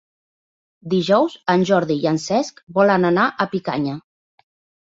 Dijous en Jordi i en Cesc volen anar a Picanya.